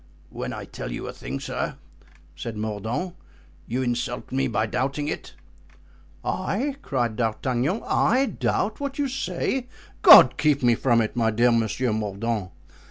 "When I tell you a thing, sir," said Mordaunt, "you insult me by doubting it." "I!" cried D'Artagnan, "I doubt what you say! God keep me from it, my dear Monsieur Mordaunt!